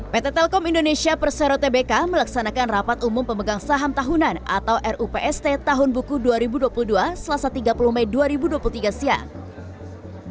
pt telkom indonesia persero tbk melaksanakan rapat umum pemegang saham tahunan atau rupst tahun buku dua ribu dua puluh dua selasa tiga puluh mei dua ribu dua puluh tiga siang